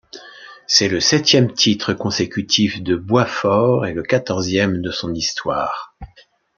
C'est le septième titre consécutif de Boitsfort et le quatorzième de son histoire.